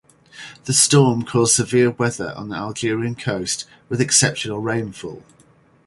The storm caused severe weather on the Algerian coast with exceptional rainfall.